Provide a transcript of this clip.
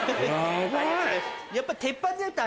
やっぱ。